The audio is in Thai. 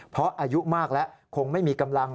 เพราะอายุมากแล้วคงไม่มีกำลัง